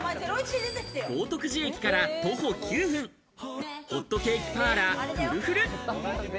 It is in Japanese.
豪徳寺駅から徒歩９分、ホットケーキパーラーＦｒｕ−Ｆｕｌｌ。